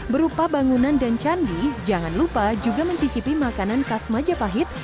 berupa bangunan dan candi jangan lupa juga mencicipi makanan khas majapahit